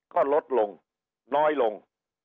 ก็ลดลงน้อยลง